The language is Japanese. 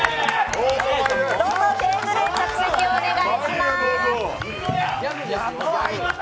どうぞテーブルへ着席をお願いします。